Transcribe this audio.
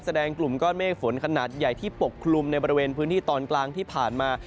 กลุ่มก้อนเมฆฝนขนาดใหญ่ที่ปกคลุมในบริเวณพื้นที่ตอนกลางที่ผ่านมา